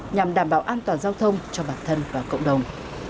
nhằm đảm bảo an toàn giao thông cho bản thân và cộng đồng